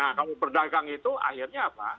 nah kalau berdagang itu akhirnya apa